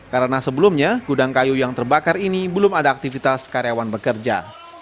karena sebelumnya gudang kayu yang terbakar ini belum ada aktivitas karyawan bekerja